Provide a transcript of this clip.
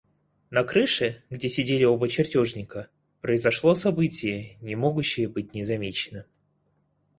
На крыше, где сидели оба чертежника, произошло событие, не могущее быть незамеченным.